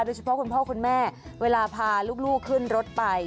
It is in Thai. โดยเฉพาะคุณพ่อคุณแม่เวลาพาลูกลูกขึ้นรถไป